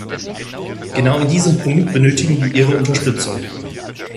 Genau in diesem Punkt benötigen wir Ihre Unterstützung.